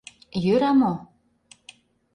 Йӧра мо?